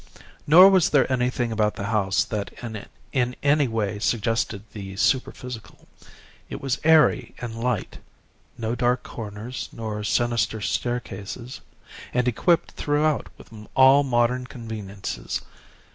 Nor was there anything about the house that in any way suggested the superphysical. It was airy and light no dark corners nor sinister staircases and equipped throughout with all modern conveniences.